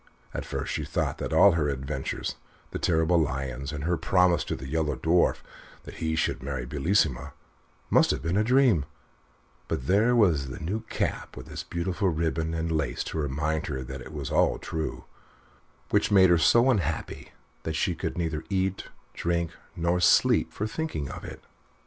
At first she thought that all her adventures, the terrible lions, and her promise to the Yellow Dwarf that he should marry Bellissima, must have been a dream, but there was the new cap with its beautiful ribbon and lace to remind her that it was all true, which made her so unhappy that she could neither eat, drink, nor sleep for thinking of it.